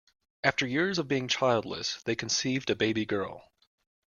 After years of being childless, they conceived a baby girl.